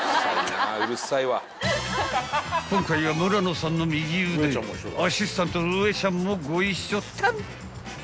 ［今回は村野さんの右腕アシスタントのウエちゃんもご一緒タン］